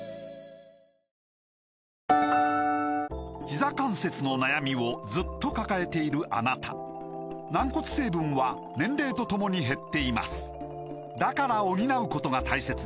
ひざ関節の悩みをずっと抱えているあなた軟骨成分は年齢とともに減っていますだから補うことが大切です